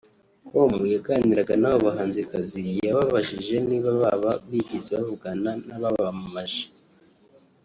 com yaganiraga n’aba bahanzikazi yababajije niba baba bigeze bavugana n’ababamamaje